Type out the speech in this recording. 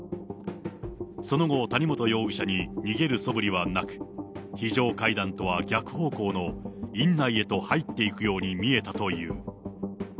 その後、谷本容疑者に逃げるそぶりはなく、非常階段とは逆方向の院内へと入っていくように見えたという。